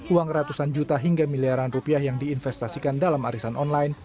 uang ratusan juta hingga miliaran rupiah yang diinvestasikan dalam arisan online